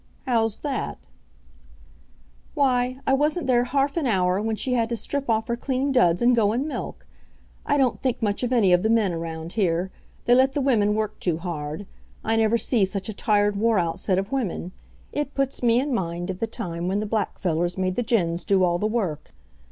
"How's that?" "Why, I wasn't there harf an hour wen she had to strip off her clean duds an' go an' milk. I don't think much of any of the men around here. They let the women work too hard. I never see such a tired wore out set of women. It puts me in mind ev the time wen the black fellers made the gins do all the work.